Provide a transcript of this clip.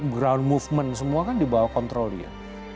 ground movement semua kan dibawa kontrol dia